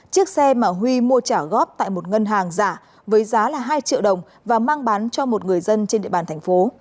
chiếc xe mà huy mua trả góp tại một ngân hàng giả với giá hai triệu đồng và mang bán cho một người dân trên địa bàn thành phố